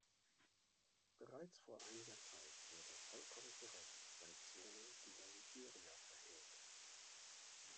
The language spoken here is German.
Bereits vor einiger Zeit wurden vollkommen zu Recht Sanktionen gegen Nigeria verhängt.